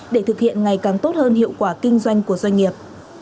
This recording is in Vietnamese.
để thực hiện ngày càng tốt hơn hiệu quả kinh doanh của doanh nghiệp